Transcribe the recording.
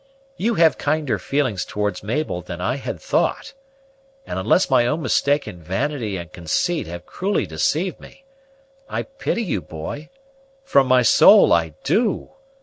You have kinder feelings towards Mabel than I had thought; and, unless my own mistaken vanity and consait have cruelly deceived me, I pity you, boy, from my soul I do!